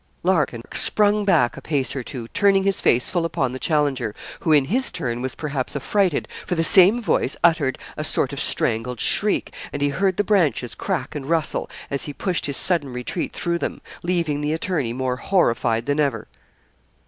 Larkin sprung back a pace or two, turning his face full upon the challenger, who in his turn was perhaps affrighted, for the same voice uttered a sort of strangled shriek, and he heard the branches crack and rustle as he pushed his sudden retreat through them leaving the attorney more horrified than ever.